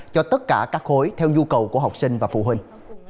cho tất cả các khối theo nhu cầu của học sinh và phụ huynh